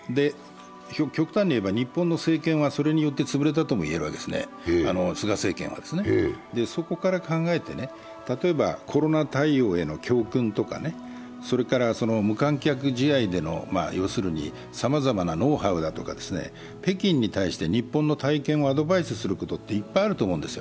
極端にいえば日本の政権はそれによって潰れたとも言えるわけですね、菅政権はですね、そこから考えて、コロナ対応への教訓とか、無観客試合でのさまざまなノウハウだとか、北京に対して日本の体験をアドバイスすることっていっぱいあると思うんですよ。